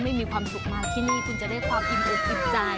ไม่มีความสุขมาที่นี่คุณจะได้ความอิ่มอกอิ่มใจ